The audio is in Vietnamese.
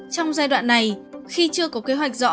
trong giai đoạn này khi chưa có kế hoạch rõ